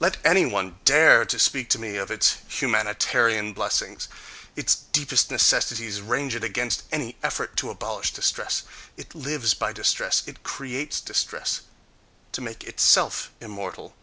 Let any one dare to speak to me of its "humanitarian" blessings! Its deepest necessities range it against any effort to abolish distress; it lives by distress; it creates distress to make itself immortal....